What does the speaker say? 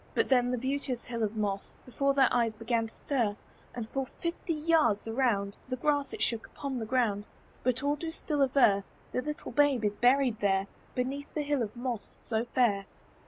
But then the beauteous hill of moss Before their eyes began to stir; And for full fifty yards around, The grass it shook upon the ground; But all do still aver The little babe is buried there, Beneath that hill of moss so fair.